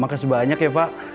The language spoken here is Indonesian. maka sebanyak ya pak